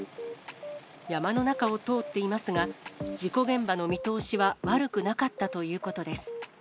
山の中を通っていますが、事故現場の見通しは悪くなかったということです。